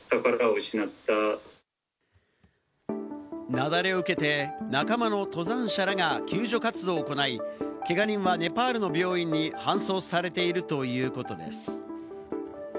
雪崩を受けて、仲間の登山者らが救助活動を行い、けが人はネパールの病院に搬送されているということです。